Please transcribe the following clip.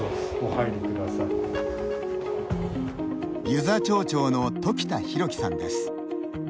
遊佐町長の時田博機さんです。